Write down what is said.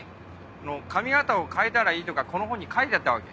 髪形を変えたらいいとかこの本に書いてあったわけ？